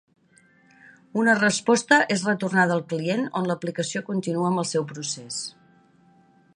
Una resposta és retornada al client on l'aplicació continua amb el seu procés.